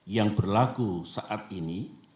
yang berlaku saat ini